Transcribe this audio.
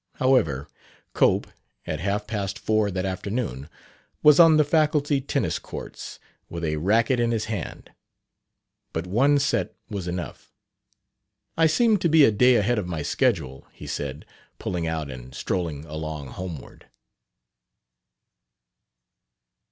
However, Cope, at half past four that afternoon, was on the faculty tennis courts, with a racquet in his hand. But one set was enough. "I seem to be a day ahead of my schedule," he said, pulling out and strolling along homeward.